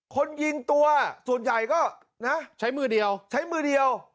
คนยิงตัวส่วนใหญ่ก็ใช้มือเดียว